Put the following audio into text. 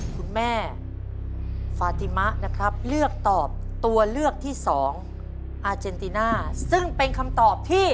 คุณแม่ฟาติมะนะครับเลือกตอบตัวเลือกที่สองอาเจนติน่าซึ่งเป็นคำตอบที่